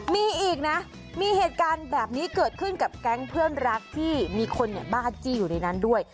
มีอีกนะมีเหตุการณ์แบบนี้เกิดขึ้นกับแก๊งเพื่อนรักที่มีคนบ้าจี้อยู่ในนั้นด้วย